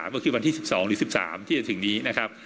ก็คือวันที่๑๒หรือ๑๓ที่จะถึงนี้นะครับ